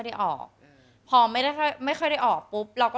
สวัสดีค่ะ